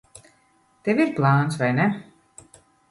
Tev ir plāns, vai ne?